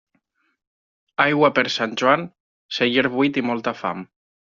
Aigua per Sant Joan, celler buit i molta fam.